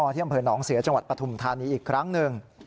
ที่อำเภอหนองเสือจังหวัดปฐุมธานีอีกครั้งหนึ่ง